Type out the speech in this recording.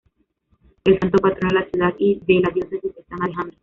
El santo patrono de la ciudad y de la diócesis es san Alejandro.